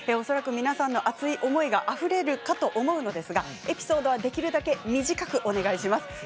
恐らく皆さんの熱い思いがあふれるかと思うのですがエピソードは、できるだけ短くお願いします。